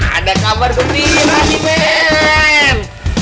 ada kabar gembira sih men